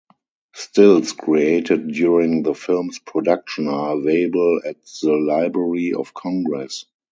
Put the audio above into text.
Stills created during the film's production are available at the Library of Congress.